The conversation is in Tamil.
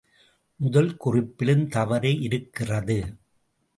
முதல் குறிப்பிலும் தவறு இருக்கிறது.